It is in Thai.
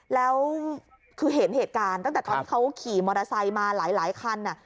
แล้วคือเห็นเหตุการณ์ตั้งแต่ตอนที่เขาขี่มอเตอร์ไซค์มาหลายคัน